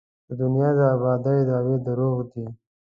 د دنیا د ابادۍ دعوې درواغ دي.